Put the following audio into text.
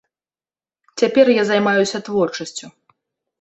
Цяпер я займаюся творчасцю.